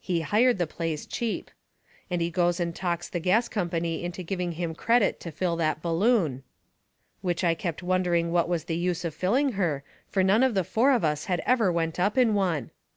He hired the place cheap. And he goes and talks the gas company into giving him credit to fill that balloon. Which I kept wondering what was the use of filling her, fur none of the four of us had ever went up in one.